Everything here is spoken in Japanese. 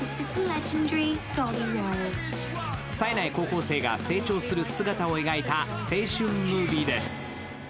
さえない高校生が成長する姿を描いた青春ムービーです。